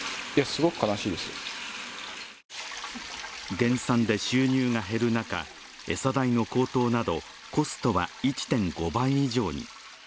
減産で収入が減る中、餌代の高騰などコストは１．５倍以上に。